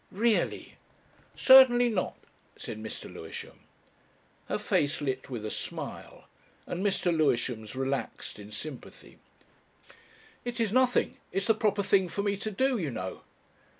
Really!" "Certainly not," said Mr. Lewisham. Her face lit with a smile, and Mr. Lewisham's relaxed in sympathy. "It is nothing it's the proper thing for me to do, you know."